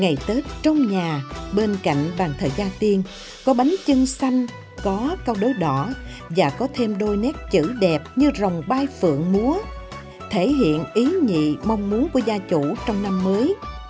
ngày tết trong nhà bên cạnh bàn thời gia tiên có bánh trưng xanh có câu đối đỏ và có thêm đôi nét chữ đẹp như rồng bai phượng múa thể hiện ý nhị mong muốn của gia chủ trong năm mới